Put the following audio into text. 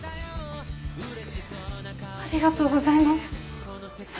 ありがとうございます。